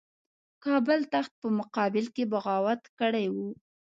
کابل تخت په مقابل کې بغاوت کړی وو.